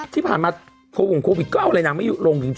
ที่ผ่านมาโฟด์วุ่งโควิดก็เอาเลยนางไม่ลงจริง